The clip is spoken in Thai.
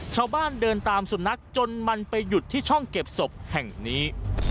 ชาวบ้านเดินตามสุนัขจนมันไปหยุดที่ช่องเก็บศพแห่งนี้